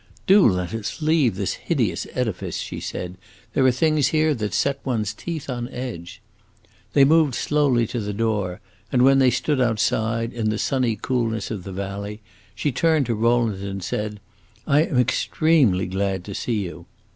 "Do let us leave this hideous edifice," she said; "there are things here that set one's teeth on edge." They moved slowly to the door, and when they stood outside, in the sunny coolness of the valley, she turned to Rowland and said, "I am extremely glad to see you."